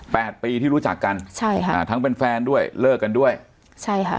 ปีที่รู้จักกันใช่ค่ะอ่าทั้งเป็นแฟนด้วยเลิกกันด้วยใช่ค่ะ